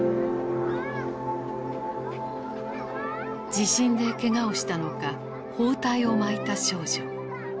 地震でけがをしたのか包帯を巻いた少女。